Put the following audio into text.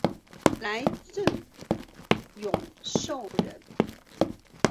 来瑱永寿人。